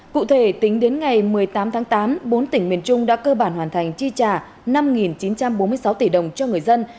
cụ thể tính đến ngày một mươi tám tháng tám bốn tỉnh miền trung đã cơ bản hoàn thành chi trả năm chín trăm bốn mươi sáu tỷ đồng cho người dân